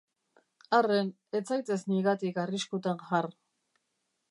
Arren, ez zaitez nigatik arriskutan jar.